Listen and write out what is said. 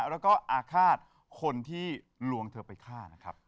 แล้วก็อาฆาตคนที่ลวงเธอไปฆ่านะครับ